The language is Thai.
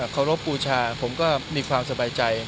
เคารพบูชาผมก็มีความสบายใจ